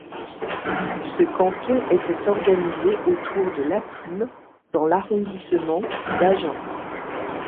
Ce canton était organisé autour de Laplume dans l'arrondissement d'Agen.